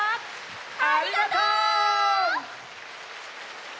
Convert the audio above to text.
ありがとう！